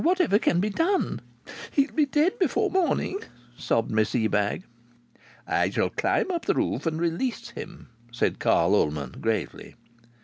"Whatever can be done?" "He'll be dead before morning," sobbed Miss Ebag. "I shall climb up the roof and release him," said Carl Ullman, gravely.